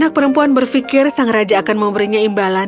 si anak perempuan berfikir sang raja akan memberinya imbalan